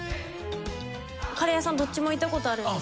カレー屋さんあっ行ったことあるんだ。